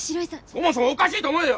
そもそもおかしいと思えよ！